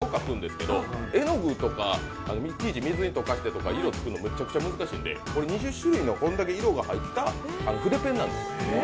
僕は趣味で結構絵を描くんですけど絵の具とかいちいち水に溶かしてとか色つくのめっちゃくちゃ難しいので、これ２０種類で、これだけ色が入った筆ペンなんです。